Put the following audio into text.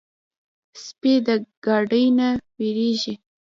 سپي د ګاډي نه وېرېږي.